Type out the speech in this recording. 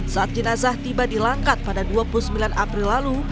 saat jenazah tiba di langkat pada dua puluh sembilan april lalu